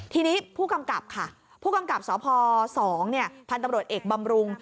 ทีนี้ผู้กำกับค่ะผู้กำกับสพ๒พันธุ์ตำรวจเอกบำรุง